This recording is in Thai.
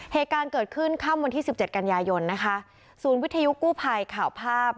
เหตุการณ์เกิดขึ้นข้ามวันที่๑๗กันยายนศูนย์วิทยุกู้ภัยข่าวภาพ